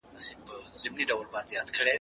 موږ چي ول ته به رخصت يې